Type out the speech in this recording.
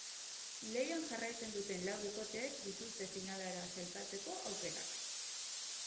Lehian jarraitzen duten lau bikoteek dituzte finalera sailkatzeko aukerak.